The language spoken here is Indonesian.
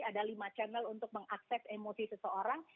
ada lima channel untuk mengakses emosi seseorang